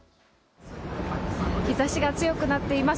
日ざしが強くなっています。